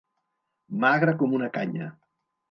Magre com una canya.